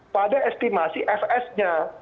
pada estimasi fs nya